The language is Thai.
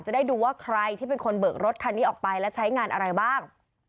จะได้ดูว่าใครที่เป็นคนเบิกรถคันนี้ออกไปและใช้งานอะไรบ้าง